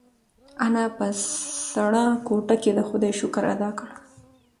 انا په سړه کوټه کې د خدای شکر ادا کړ.